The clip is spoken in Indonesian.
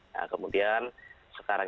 nah kemudian sekarang